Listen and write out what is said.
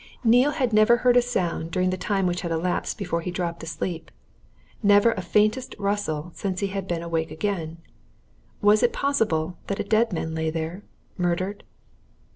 Neale had never heard a sound during the time which had elapsed before he dropped asleep, never a faintest rustle since he had been awake again. Was it possible that a dead man lay there murdered?